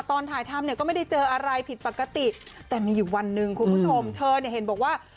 ตอนถ่ายทำเนี่ยก็ไม่ได้เจออะไรผิดปกติแต่มีอยู่วันหนึ่งคุณผู้ชมเธอเนี่ยเห็นบอกว่า